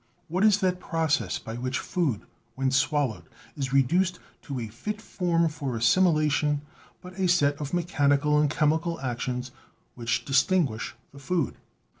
What is that process by which food when swallowed is reduced to a fit form for assimilation, but a set of me chanical and chemical actions which distinguish the food?